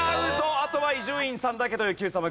あとは伊集院さんだけというＱさま！！